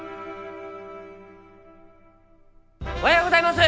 おはようございます！